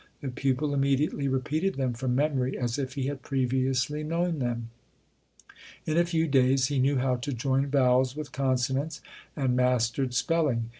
The pupil immediately repeated them from memory as if he had previously known them. In a few days he knew how to join vowels with consonants and mastered spelling.